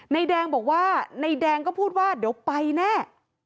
ในแดงบอกว่านายแดงก็พูดว่าเดี๋ยวไปแน่